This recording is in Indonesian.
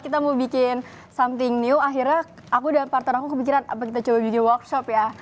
kita mau bikin something new akhirnya aku dan partner aku kebijakan kita coba workshop ya